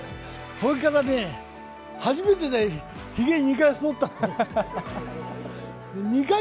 それからね、初めてだよひげ２回そったの。